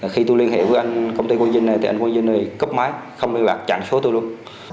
khi tôi liên hệ với anh công ty quang dinh này thì anh quang dinh này cấp máy không liên lạc chặn số tôi luôn